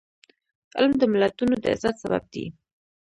علم د ملتونو د عزت سبب دی.